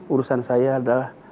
urusan saya adalah